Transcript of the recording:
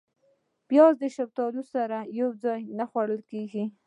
پیاز د شفتالو سره یو ځای نه خوړل کېږي